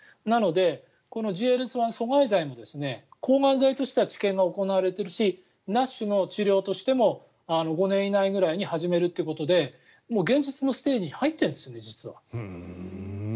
なので、ＧＬＳ１阻害剤も抗がん剤としても治験が行われているしＮＡＳＨの治療としても５年以内ぐらいに始めるということで現実のステージに入ってるんです。